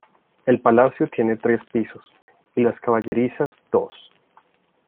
El palacio tiene tres pisos y las caballerizas dos.